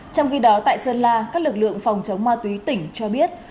trong khi đó tại sơn la các lực lượng phòng chống ma túy tỉnh cho biết